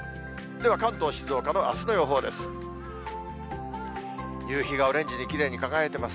では関東、静岡のあすの予報です。